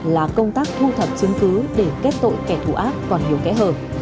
là công tác thu thập chứng cứ để kết tội kẻ thù ác còn nhiều kẻ hờ